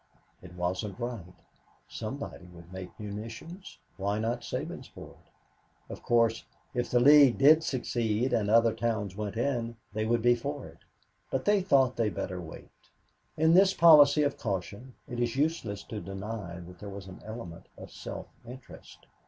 It wasn't right. Somebody would make munitions, why not Sabinsport? Of course, if the League did succeed and other towns went in, they would be for it; but they thought they better wait. In this policy of caution, it is useless to deny that there was an element of self interest.